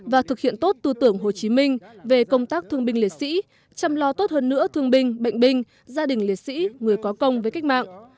và thực hiện tốt tư tưởng hồ chí minh về công tác thương binh liệt sĩ chăm lo tốt hơn nữa thương binh bệnh binh gia đình liệt sĩ người có công với cách mạng